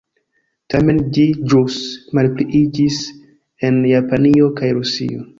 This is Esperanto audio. Tamen ĝi ĵus malpliiĝis en Japanio kaj Rusio.